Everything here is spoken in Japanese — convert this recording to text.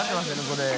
これ。